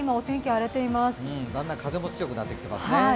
だんだん風も強くなってきてますね。